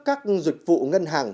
các dịch vụ ngân hàng